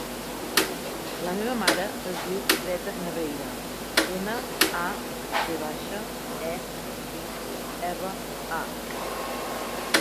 La meva mare es diu Greta Naveira: ena, a, ve baixa, e, i, erra, a.